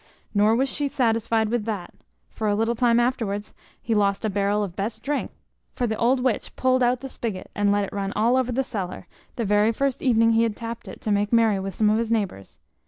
Nor was she satisfied with that; for a little time afterwards he lost a barrel of best drink: for the old witch pulled out the spigot, and let it run all over the cellar, the very first evening he had tapped it to make merry with some of his neighbours.